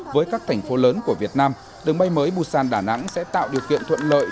với các thành phố lớn của việt nam đường bay mới busan đà nẵng sẽ tạo điều kiện thuận lợi